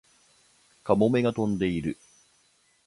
カモメが飛んでいる